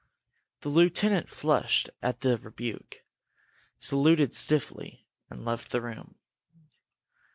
The lieutenant flushed at the rebuke, saluted stiffly, and left the room.